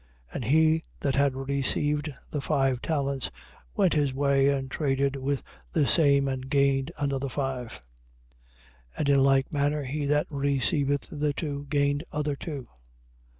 25:16. And he that had received the five talents went his way and traded with the same and gained other five. 25:17. And in like manner he that had received the two gained other two.